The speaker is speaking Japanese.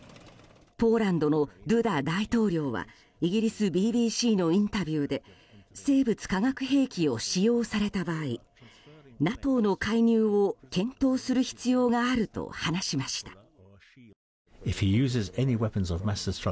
ポーランドのドゥダ大統領はイギリスＢＢＣのインタビューで生物・化学兵器を使用された場合ＮＡＴＯの介入を検討する必要があると話しました。